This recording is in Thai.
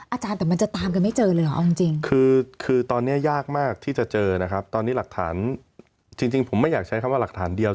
อาจารย์แต่มันจะตามกันไม่เจอเลยเหรอเอาจริงคือตอนนี้ยากมากที่จะเจอนะครับตอนนี้หลักฐานจริงผมไม่อยากใช้คำว่าหลักฐานเดียว